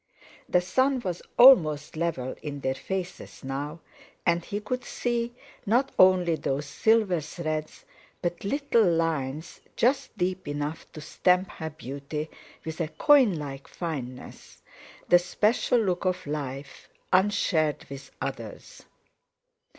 The sun was almost level in their faces now, and he could see, not only those silver threads, but little lines, just deep enough to stamp her beauty with a coin like fineness—the special look of life unshared with others.